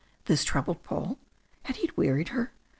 This troubled Paul. Had he wearied her?